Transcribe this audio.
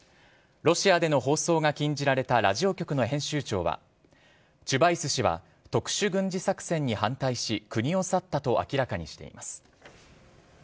ロシアでの放送が禁じられたラジオ局の編集長はチュバイス氏は特殊軍事作戦に反対し国を去ったと明らかにしています。